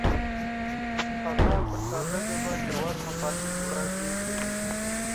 هغه په ساده ژبه ژور مفاهیم وړاندې کوي.